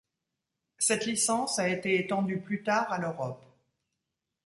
Cette licence a été étendue plus tard à l'Europe.